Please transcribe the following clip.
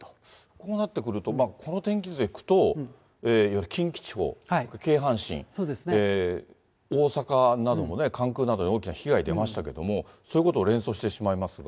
こうなってくると、この天気図でいくと、いわゆる近畿地方、京阪神、大阪などもね、関空などに大きな被害出ましたけれども、そういうことを連想してしまいますが。